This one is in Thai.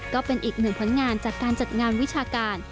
ก็เป็นอีกหนึ่งผลงานจากการจัดงานวิชาการ